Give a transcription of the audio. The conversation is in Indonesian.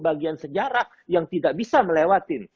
bagian sejarah yang tidak bisa melewati